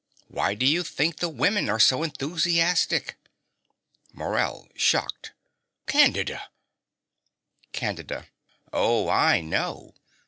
Why do you think the women are so enthusiastic? MORELL (shocked). Candida! CANDIDA. Oh, I know.